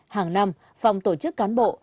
hàng năm phòng tổ chức cán bộ